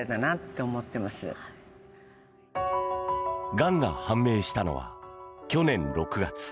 がんが判明したのは去年６月。